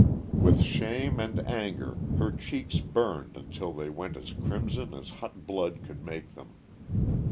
With shame and anger her cheeks burned until they went as crimson as hot blood could make them.